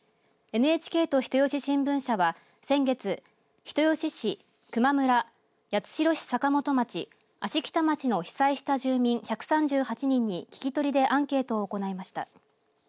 ＮＨＫと人吉新聞社は先月、人吉市、球磨村八代市、坂本町、芦北町の被災した住民１３８人に聞き取りでアンケートを行いました。